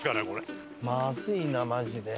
まずいなマジで。